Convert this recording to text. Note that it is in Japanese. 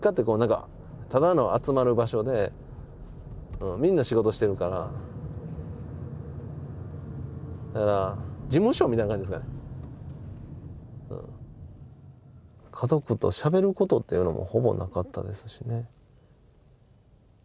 僕のとこはみんな仕事してるからだから家族としゃべることっていうのもほぼなかったですしね。